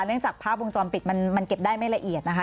จากภาพวงจรปิดมันเก็บได้ไม่ละเอียดนะคะ